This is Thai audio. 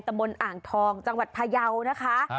ตะมนต์อ่างทองจังหวัดพายาวนะคะ